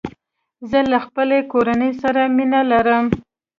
زه له خپلي کورنۍ سره مينه لرم